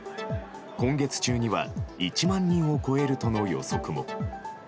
今月中には１万人を超えるとの予測も。